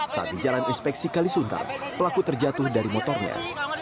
saat di jalan inspeksi kalisuntar pelaku terjatuh dari motornya